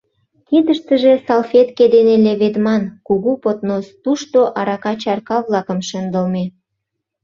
Кидыштыже салфетке дене леведман кугу поднос, тушто арака чарка-влакым шындылме.